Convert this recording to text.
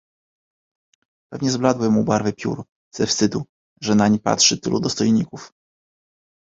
"Pewnie zbladły mu barwy piór ze wstydu, że nań patrzy tylu dostojników."